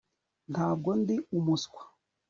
ntabwo ndi umuswa